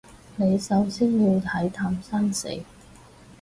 你首先要睇淡生死